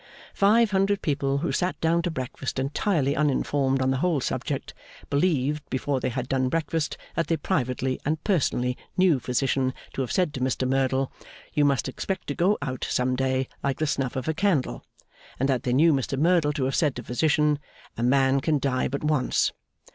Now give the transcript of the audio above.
Five hundred people who sat down to breakfast entirely uninformed on the whole subject, believed before they had done breakfast, that they privately and personally knew Physician to have said to Mr Merdle, 'You must expect to go out, some day, like the snuff of a candle;' and that they knew Mr Merdle to have said to Physician, 'A man can die but once.